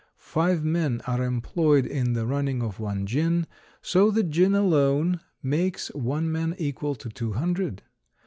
Five men are employed in the running of one gin, so the gin alone makes one man equal to two hundred.